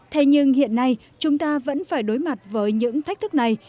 thế nhưng hiện nay chúng ta vẫn phải đối mặt với những thách thức này